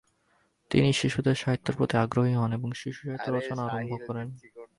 তিনি শিশু সাহিত্যের প্রতি আগ্রহী হন এবং শিশুসাহিত্য রচনা আরম্ভ করেন।